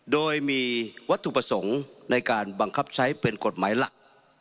โดยมีวัตถุประสงค์ในการบังคับใช้เป็นกฎหมายหลัก